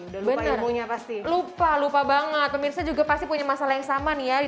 udah lupa ilmunya pasti lupa lupa banget pemirsa juga pasti punya masalah yang sama nih ya